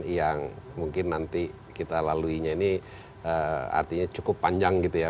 yang mungkin nanti kita laluinya ini artinya cukup panjang gitu ya